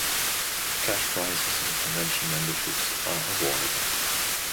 Cash prizes and convention memberships are awarded.